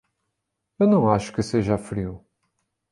Eu não acho que seja frio.